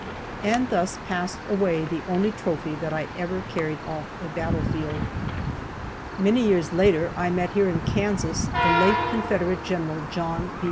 And thus passed away the only trophy that I ever carried off a battlefield. Many years later I met here in Kansas the late Confederate Gen. John B.